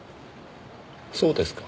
そうですか。